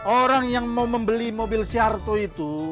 orang yang mau membeli mobil siarto itu